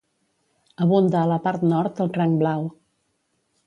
Abunda a la part nord el cranc blau.